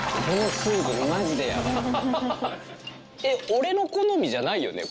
俺の好みじゃないよね？